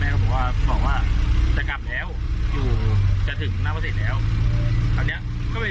และกำลังจะขับกลับบ้านที่นครปฐม